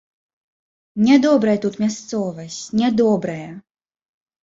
Нядобрая тут мясцовасць, нядобрая!